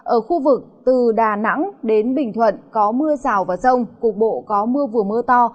ở khu vực từ đà nẵng đến bình thuận có mưa rào và rông cục bộ có mưa vừa mưa to